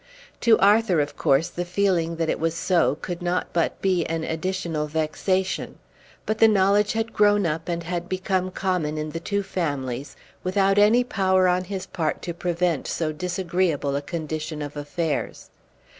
To Arthur of course the feeling that it was so could not but be an additional vexation; but the knowledge had grown up and had become common in the two families without any power on his part to prevent so disagreeable a condition of affairs.